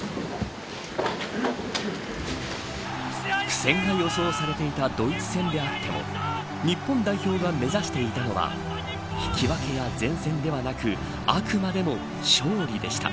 苦戦が予想されていたドイツ戦であっても日本代表が目指していたのは引き分けや善戦ではなくあくまでも勝利でした。